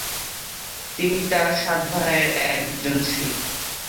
তিনি তার সাত ভাইয়ের একজন ছিলেন।